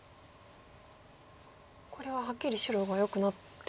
これははっきり白がよくなっている？